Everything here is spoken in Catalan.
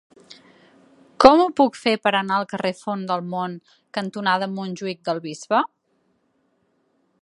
Com ho puc fer per anar al carrer Font del Mont cantonada Montjuïc del Bisbe?